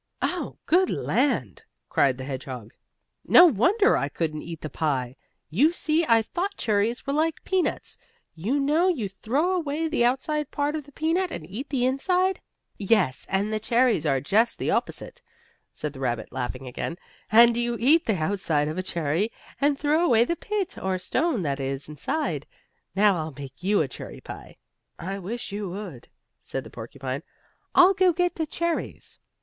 "Oh, good land!" cried the hedgehog, "no wonder I couldn't eat the pie. You see, I thought cherries were like peanuts. For you know you throw away the outside part of the peanut, and eat the inside." "Yes, and cherries are just the opposite," said the rabbit, laughing again. "For you eat the outside of a cherry and throw away the pit or stone that is inside. Now, I'll make you a cherry pie." "I wish you would," said the porcupine. "I'll go get the cherries."